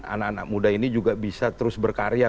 anak anak muda ini juga bisa terus berkarya